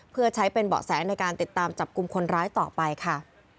เพื่อใช้เป็นเบาะแสในการติดตามจับกลุ่มคนร้ายต่อไปค่ะ